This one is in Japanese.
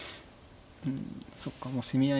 うんそっかもう攻め合い。